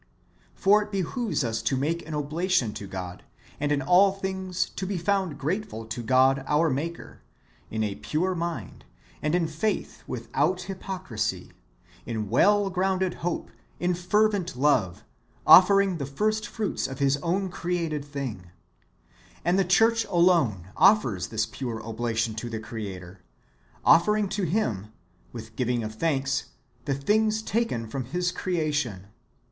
^ For it behoves us to make an oblation to God, and in all things to be found grateful to God our Maker, in a pure mind, and in faith without hypocrisy, in well grounded hope, in fervent love, offering the first fruits of His own created things. And the church alone offers this pure oblation to the Creator, offering to Him, with giving of thanks, [the things taken] from His creation.